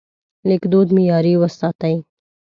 لیکدود معیاري وساتئ.